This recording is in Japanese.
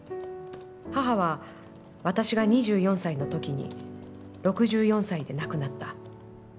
母は、私が二十四歳の時に六十四歳で亡くなった。